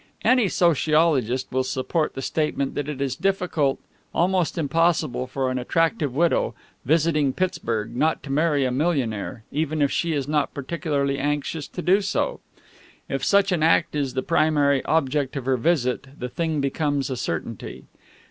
Any sociologist will support the statement that it is difficult, almost impossible, for an attractive widow, visiting Pittsburg, not to marry a millionaire, even if she is not particularly anxious to do so. If such an act is the primary object of her visit, the thing becomes a certainty.